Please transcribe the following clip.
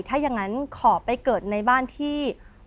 ถ้าอย่างนั้นขอไปเกิดในบ้านที่